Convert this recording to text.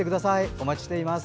お待ちしています。